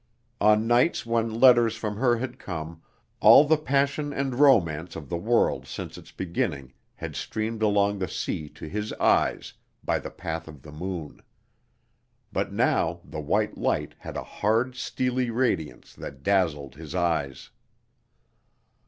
On nights when letters from her had come, all the passion and romance of the world since its beginning had streamed along the sea to his eyes, by the path of the moon. But now the white light had a hard, steely radiance that dazzled his eyes.